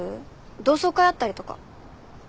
同窓会あったりとか。